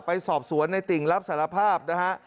ไปสอบสวนในติ่งรับสารภาพนะฮะ